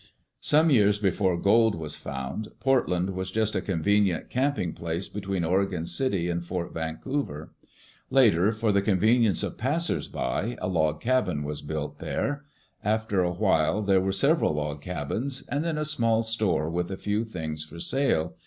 Some years before gold was found, Portland was just a convenient camping place between Oregon City and Fort Vancouver. Later, for the convenience of passers by, a log cabin was built there. After a while there were sev eral log cabins, and then a small store with a few things for sale.